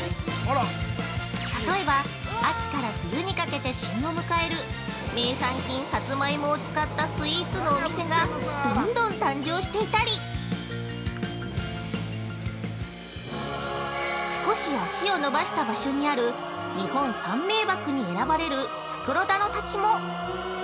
例えば、秋から冬にかけて旬を迎える名産品サツマイモを使ったスイーツのお店がどんどん誕生していたり少し足を延ばした場所にある日本三名瀑に選ばれる袋田の滝も。